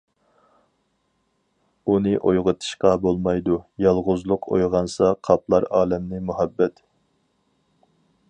ئۇنى ئويغىتىشقا بولمايدۇ، يالغۇزلۇق ئويغانسا قاپلار ئالەمنى مۇھەببەت.